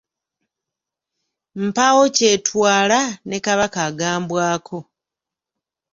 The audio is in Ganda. Mpaawo kyetwala, ne Kabaka agambwako.